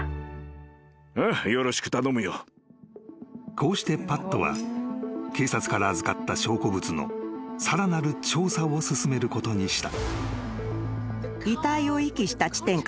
［こうしてパットは警察から預かった証拠物のさらなる調査を進めることにした］